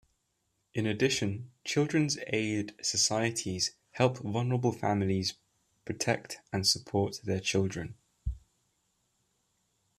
In addition, Children's Aid Societies help vulnerable families protect and support their children.